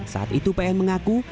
saat itu pn mengaku